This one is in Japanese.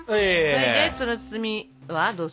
それでその包みはどうする？